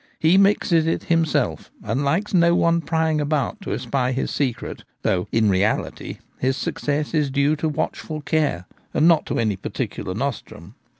He mixes it himself, and likes no one prying about to espy his secret, though in reality his success is due to watchful care and not to any particular nostrum.